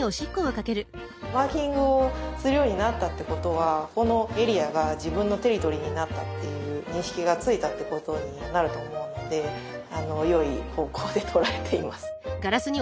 マーキングをするようになったってことはこのエリアが自分のテリトリーになったっていう認識がついたってことになると思うのでよい方向で捉えています。